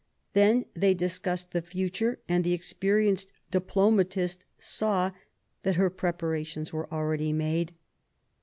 Then they dis cussed the future, and the experienced diplomatist saw that her preparations were already made.